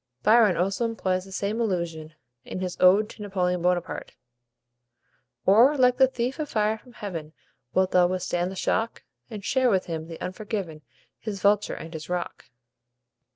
Byron also employs the same allusion, in his "Ode to Napoleon Bonaparte": "Or, like the thief of fire from heaven, Wilt thou withstand the shock? And share with him the unforgiven His vulture and his rock?"